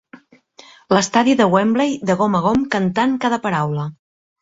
L'estadi de Wembley de gom a gom, cantant cada paraula.